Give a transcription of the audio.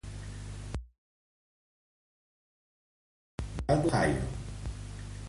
Medkeff es va formar a la Universitat Estatal d'Ohio.